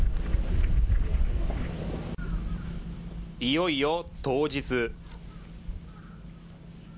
いよいよ当日。